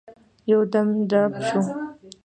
يودم درب شو.